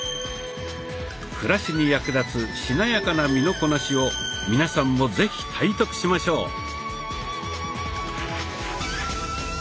暮らしに役立つしなやかな身のこなしを皆さんも是非体得しましょう。